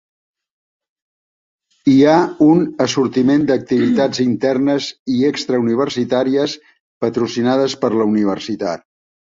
Hi ha un assortiment d'activitats internes i extra-universitàries patrocinades per la universitat.